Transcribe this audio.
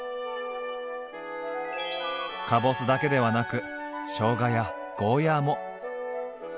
かぼすだけではなくしょうがやゴーヤーも。